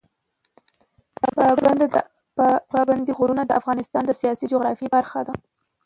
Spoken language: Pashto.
پابندی غرونه د افغانستان د سیاسي جغرافیه برخه ده.